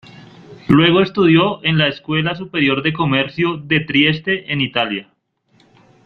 Luego estudió en la Escuela Superior de Comercio de Trieste en Italia.